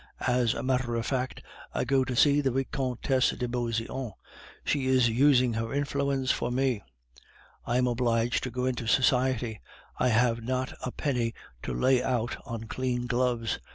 As a matter of fact, I go to see the Vicomtesse de Beauseant; she is using her influence for me; I am obliged to go into society, and I have not a penny to lay out on clean gloves.